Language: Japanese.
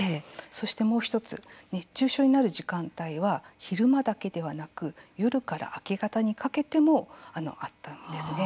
そしてもう１つ熱中症になる時間帯は昼間だけではなく夜から明け方にかけてもあったんですね。